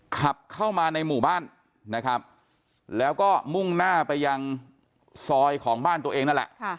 ขับเข้ามาในหมู่บ้านนะครับแล้วก็มุ่งหน้าไปยังซอยของบ้านตัวเองนั่นแหละ